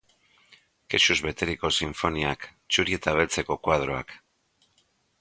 Kexuz beteriko sinfoniak, txuri eta beltzezko koadroak.